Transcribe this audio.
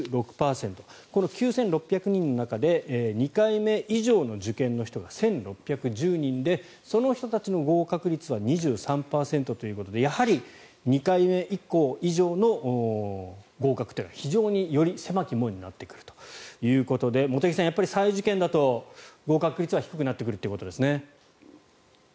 この９６００人の中で２回目以上の受験の人が１６１０人でその人たちの合格率は２３％ということでやはり２回目以上の合格というのは非常により狭き門になってくるということで茂木さん、再受験だと合格率は低くなってくるということですね。